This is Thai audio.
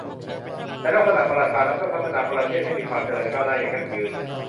ในลักษณะประชารัฐเพื่อพัฒนาประเทศให้มีความเจริญก้าวหน้าอย่างยั่งยืน